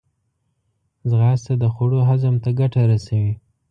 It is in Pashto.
ځغاسته د خوړو هضم ته ګټه رسوي